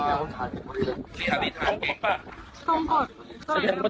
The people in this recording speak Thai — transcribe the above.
อันนี้อาทิตย์ทันตรงไปเปล่าหรือเปล่า